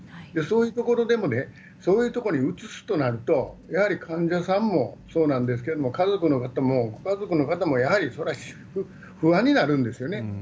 そういうところでも、そういうとこに移すとなると、やはり患者さんもそうなんですけれども、ご家族の方もやはり、そら不安になるんですよね。